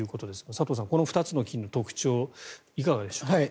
佐藤さん、この２つの菌の特徴いかがでしょうか。